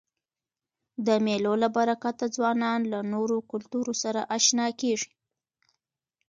د مېلو له برکته ځوانان له نورو کلتورو سره اشنا کيږي.